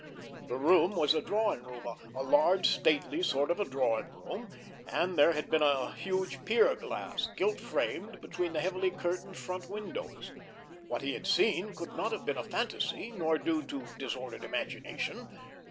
The room was a drawing room, a large, stately sort of a drawing room, and there had been a huge pier glass, gilt framed, between the heavily curtained front windows. What he had seen could not have been a fantasy, nor due to disordered imagination.